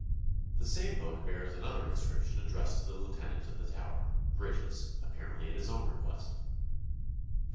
The same book bears another inscription addressed to the Lieutenant of the Tower, Bridges, apparently at his own request.